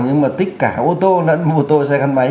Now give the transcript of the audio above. nhưng mà tích cả ô tô lẫn ô tô xe gắn máy